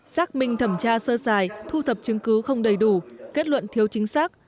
xác minh thẩm tra sơ sài thu thập chứng cứ không đầy đủ kết luận thiếu chính xác